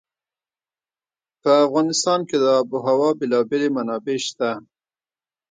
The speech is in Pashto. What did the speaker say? په افغانستان کې د آب وهوا بېلابېلې منابع شته.